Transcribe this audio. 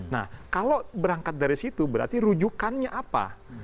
nah kalau berangkat dari situ berarti rujukannya apa